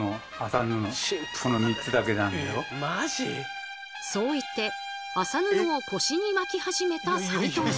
そう言って麻布を腰に巻き始めた齋藤さん。